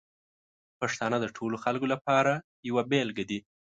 پښتانه د ټولو خلکو لپاره یوه بېلګه دي.